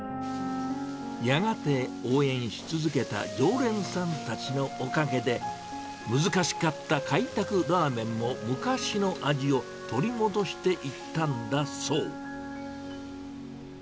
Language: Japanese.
やがて応援し続けた常連さんたちのおかげで、難しかった開拓ラーメンも昔の味を取り戻していったんだそう。